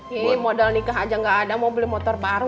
yee model nikah aja gak ada mau beli motor baru